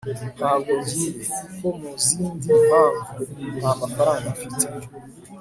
ntabwo ngiye, kuko, mu zindi mpamvu, nta mafaranga mfite